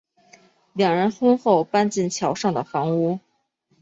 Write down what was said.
两人婚后搬进桥上的房屋。